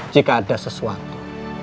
jika ada sesuatu